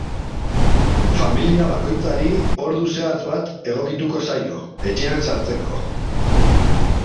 Familia bakoitzari ordu zehatz bat egokituko zaio, etxean sartzeko.